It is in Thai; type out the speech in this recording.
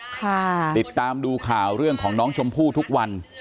ติดตามดูข่าวเรื่องของน้องชมพู่ทุกวัน